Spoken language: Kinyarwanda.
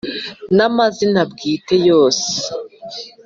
Na mazina bwite yose